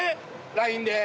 ＬＩＮＥで。